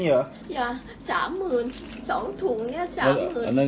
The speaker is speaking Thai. สวัสดีทุกคน